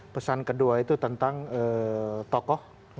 pesan kedua itu tentang tokoh